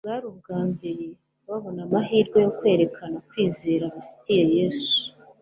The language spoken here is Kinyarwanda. Bwari ubwa mbere babona amahirwe yo kwerekana kwizera bafitiye yesu